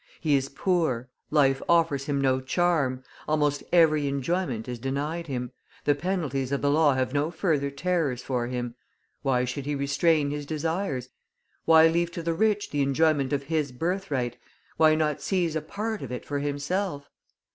He is poor, life offers him no charm, almost every enjoyment is denied him, the penalties of the law have no further terrors for him; why should he restrain his desires, why leave to the rich the enjoyment of his birthright, why not seize a part of it for himself?